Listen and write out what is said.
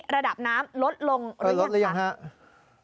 ระดับน้ำลดลงหรือลดหรือยังครับ